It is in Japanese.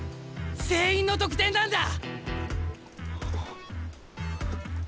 全員の得点なんだ！